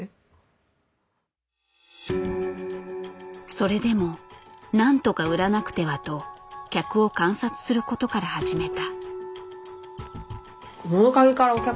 それでもなんとか売らなくてはと客を観察することから始めた。